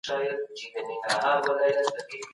ولي د ایران ځانګړی استازی په پرله پسې ډول کابل ته راځي؟